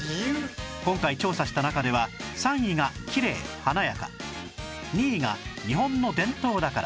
今回調査した中では３位がきれい・華やか２位が日本の伝統だから